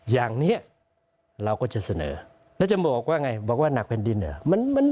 อย่างนี้เราก็จะเสนอแล้วจะบอกว่าไงบอกว่าหนักแผ่นดินเหรอ